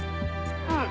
うん。